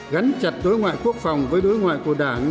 gắn chặt đối ngoại quốc phòng với đối ngoại của đảng